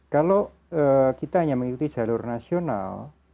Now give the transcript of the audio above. kalau kita hanya mengikuti jalur nasional